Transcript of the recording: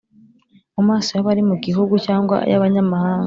mu maso y'abari mu gihugu cyangwa y'abanyamahanga